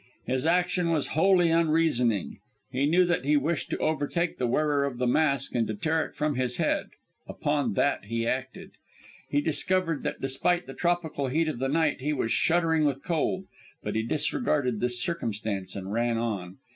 His action was wholly unreasoning; he knew that he wished to overtake the wearer of the mask and to tear it from his head; upon that he acted! He discovered that despite the tropical heat of the night, he was shuddering with cold, but he disregarded this circumstance, and ran on.